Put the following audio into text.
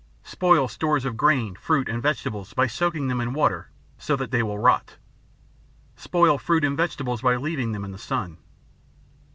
Spoil stores of grain, fruit and vegetables by soaking them in water so that they will rot. Spoil fruit and vegetables by leaving them in the sun.